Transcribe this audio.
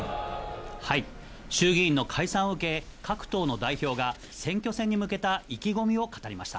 衆議院の解散を受け、各党の代表が選挙戦に向けた意気込みを語りました。